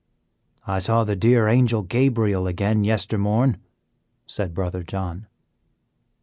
"I saw the dear Angel Gabriel again yester morn," said Brother John.